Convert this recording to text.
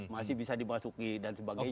masih bisa dimasuki dan sebagainya